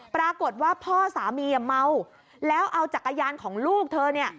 ปรากฏว่าพ่อสามีเมาแล้วเอาจักรยานของลูกเธอเนี่ย